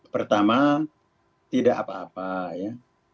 pertama tidak apa apa ya